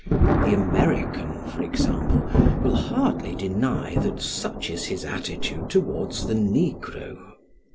The American, for example, will hardly deny that such is his attitude towards the negro.